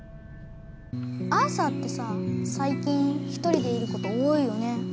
アーサーってささい近ひとりでいること多いよね。